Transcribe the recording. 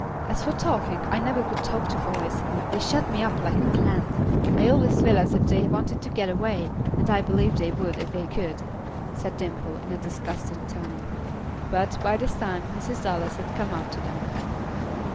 As for talking, I never could talk to boys. They shut me up like a clam. I always feel as if they wanted to get away, and I believe they would if they could," said Dimple in a disgusted tone. But, by this time, Mrs. Dallas had come up to them.